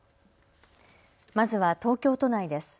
まずは東京都内です。